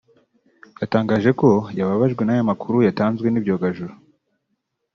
yatangaje ko yababajwe n’aya makuru yatanzwe n’ibyogajuru